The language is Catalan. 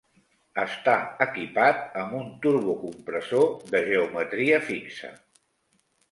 Està equipat amb un turbocompressor de geometria fixa.